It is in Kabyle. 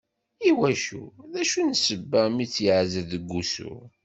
I wacu, d acu n ssebba mi tt-yeɛzel deg wusu.